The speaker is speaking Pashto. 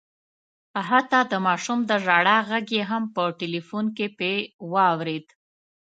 حتی د ماشوم د ژړا غږ یې هم په ټلیفون کي په واورېد